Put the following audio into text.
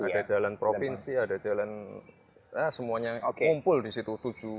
ada jalan provinsi ada jalan semuanya ngumpul di situ